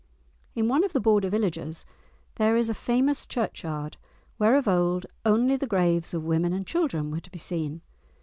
In one of the Border villages there is a famous churchyard where of old only the graves of women and children were to be seen.